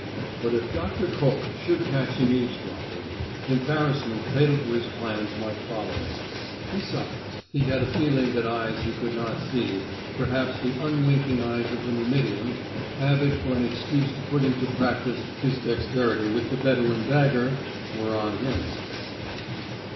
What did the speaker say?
But if Doctor Koch should catch him eavesdropping, embarrassment fatal to his plans might follow; besides, he had a feeling that eyes he could not see perhaps the unwinking eyes of the Numidian, avid for an excuse to put into practise his dexterity with the Bedouin dagger were on him.